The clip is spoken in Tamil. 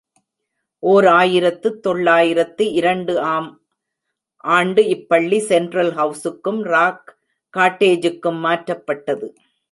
ஓர் ஆயிரத்து தொள்ளாயிரத்து இரண்டு ஆம் ஆண்டு இப்பள்ளி செண்ட்ரல் ஹவுசுக்கும் ராக் காட்டேஜு க்கும் மாற்றப்பட்டது.